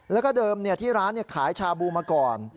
แล้วก็เดิมที่ร้านขายชาบูมาก่อน